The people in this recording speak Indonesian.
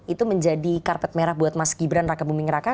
itu menjadi karpet merah buat mas gibran raka buming raka